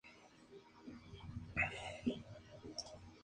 Habita en el Parque Nacional Endau-Rompin de Malasia Peninsular.